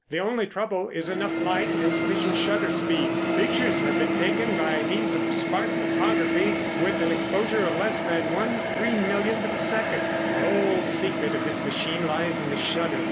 The only trouble is enough light and sufficient shutter speed. Pictures have been taken by means of spark photography with an exposure of less than one three millionth of a second. The whole secret of this machine lies in the shutter.